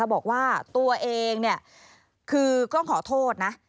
บอกว่าตัวเองคือต้องขอโทษนะ